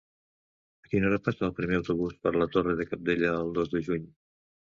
A quina hora passa el primer autobús per la Torre de Cabdella el dos de juny?